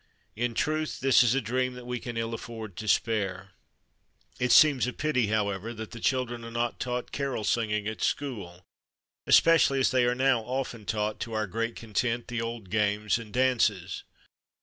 In truth, this is a dream that we can ill afford to spare. It seems a pity, however, that the children are not taught carol sing ing at school, especially as they are now often taught, to our great content, the old games and dances.